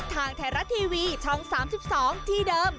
ทางไทยรัฐทีวีช่อง๓๒ที่เดิม